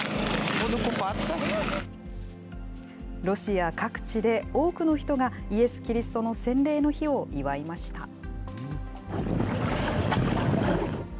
ロシア各地で多くの人がイエス・キリストの洗礼の日を祝いました。